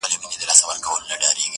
• دپښتون په تور وهلی هر دوران دی..